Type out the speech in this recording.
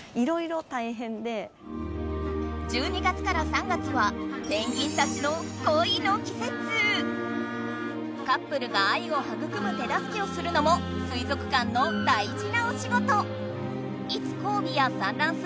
１２月から３月はペンギンたちのカップルが愛をはぐくむ手だすけをするのも水族館のだいじなおしごと。